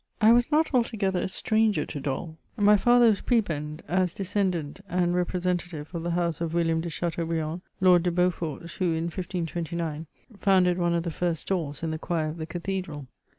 I was i^ot altogether a stranger to Dol ; my father was Prebend, as despendant and representative of the house of WilHam de Chateaubriai^4' ^^^^^ Beaufort who, in 1529, founded one o( tl^e first stalls in the chop* of the cathedral.